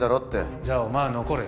じゃあお前は残れよ。